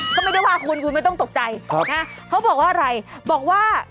เขาไม่ได้ว่าคุณคุณไม่ต้องตกใจนะเขาบอกว่าอะไรบอกว่า